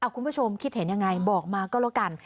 คุณผู้ชมคิดเห็นยังไงบอกมาก็แล้วกัน